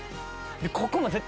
ここも絶対。